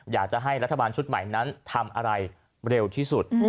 อยากจะให้รัฐบาลชุดใหม่นั้นทำอะไรเร็วที่สุด